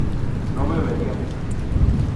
no beberíamos